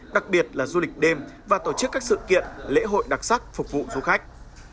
đặc biệt là du lịch đêm và tổ chức các sự kiện lễ hội đặc sắc phục vụ du khách